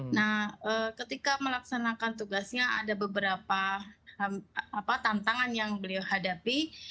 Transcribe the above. nah ketika melaksanakan tugasnya ada beberapa tantangan yang beliau hadapi